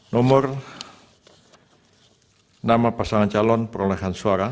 nomor nama pasangan calon perolehan suara